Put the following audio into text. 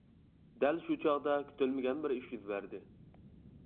دەل شۇ چاغدا كۈتۈلمىگەن بىر ئىش يۈز بەردى.